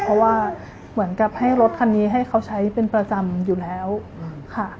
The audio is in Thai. เพราะว่าเหมือนกับให้รถคันนี้ให้เขาใช้เป็นประจำอยู่แล้วค่ะ